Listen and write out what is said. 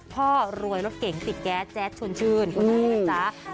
พ่อรวยรถเก่งติดแก๊สแจ๊ดชวนชื่นคุณอาจารย์จ้ะ